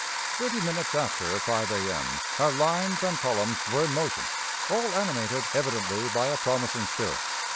"Thirty minutes after 5 A.M., our lines and columns were in motion, all animated evidently by a promising spirit.